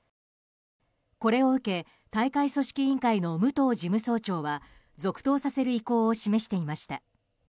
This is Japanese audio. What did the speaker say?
これを受け、大会組織委員会の武藤事務総長は続投させる意向を示していました。